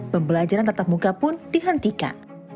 pembelajaran tatap muka pun dihentikan